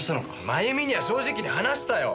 まゆみには正直に話したよ！